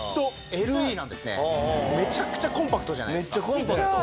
めちゃくちゃコンパクトじゃないですか？